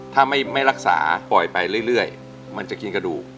ถ้าไม่รักษาปล่อยไปเรื่อยมันจะกินกระดูก